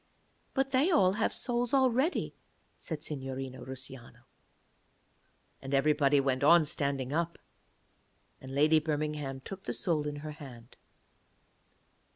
'But they all have souls already,' said Signorina Russiano. And everybody went on standing up. And Lady Birmingham took the soul in her hand.